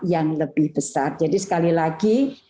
yang lebih besar jadi sekali lagi